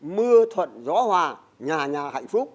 mưa thuận gió hòa nhà nhà hạnh phúc